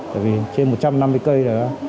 trên một trăm năm mươi cây